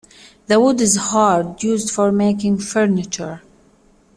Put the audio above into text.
The wood is hard, used for making furniture.